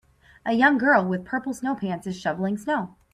A young girl with purple snow pants is shoveling snow.